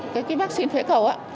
cái vaccine phế cầu